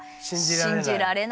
信じられない。